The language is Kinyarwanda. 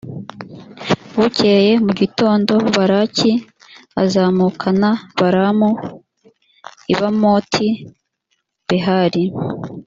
bukeye mu gitondo, balaki azamukana balamu i bamoti-behali.